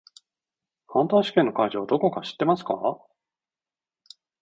ハンター試験の会場どこか知っていますか？